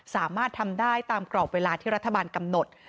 สามารถทำได้ตามกรอบเวลาที่รัฐบาลกำหนด